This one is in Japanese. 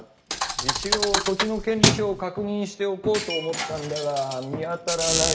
一応土地の権利書を確認しておこうと思ったんだが見当たらない。